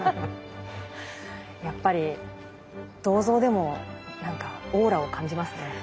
やっぱり銅像でも何かオーラを感じますね。